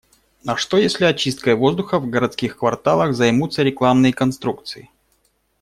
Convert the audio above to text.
А что если очисткой воздуха в городских кварталах займутся рекламные конструкции